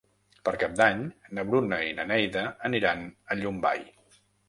Per Cap d'Any na Bruna i na Neida aniran a Llombai.